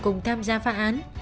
cùng tham gia phá án